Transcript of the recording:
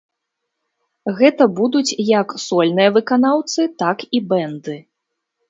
Гэта будуць як сольныя выканаўцы, так і бэнды.